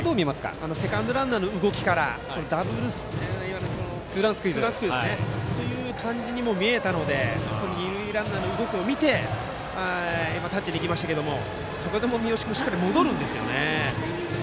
セカンドランナーの動きからツーランスクイズという形にも見えたので二塁ランナーの動きを見てタッチに行きましたがそこでも三好君しっかり戻るんですよね。